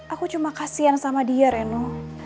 aku cuma kasian sama dia reno